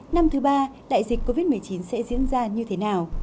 năm thứ ba đại dịch covid một mươi chín sẽ diễn ra như thế nào